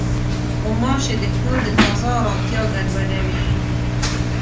غوماشې د کور د فضا ارامتیا ګډوډوي.